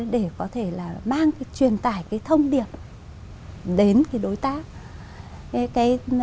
để có thể là mang cái truyền tải cái thông điệp đến cái đối tác